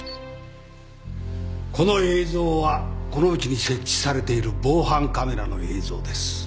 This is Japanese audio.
この映像はこのうちに設置されている防犯カメラの映像です。